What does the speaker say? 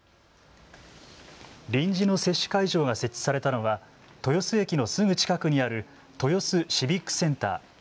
臨時の接種会場が設置されたのは豊洲駅のすぐ近くにある豊洲シビックセンター。